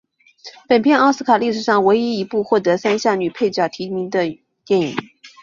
本片奥斯卡历史上唯一一部获得三项女配角提名的电影。